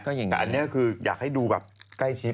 แต่อันนี้คืออยากให้ดูแบบใกล้ชิด